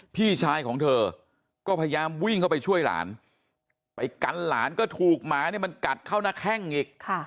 พี่ชายของเธอก็พยายามวิ่งเข้าไปช่วยหลานไปกันหลานก็ถูกหมาเนี่ยมันกัดเข้าหน้าแข้งอีก